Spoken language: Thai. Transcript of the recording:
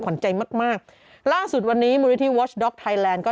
ขวัญใจมากล่าสุดวันนี้มฤทธิววอชด๊อกไทยแลนด์ก็